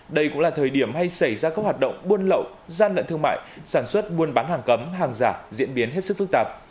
đây cũng là thời điểm hay xảy ra các hoạt động buôn lậu gian lận thương mại sản xuất buôn bán hàng cấm hàng giả diễn biến hết sức phức tạp